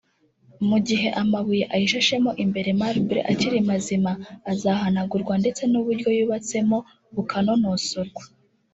mu gihe amabuye ayishashemo imbere (marbles) akiri mazima azahanagurwa ndetse n’uburyo yubatsemo bukanonosorwa